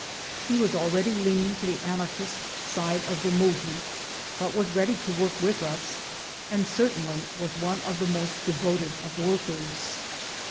He was already leaning to the Anarchist side of the movement, but was ready to work 1 iWith us ; and certainly was one of the most devoted of workers.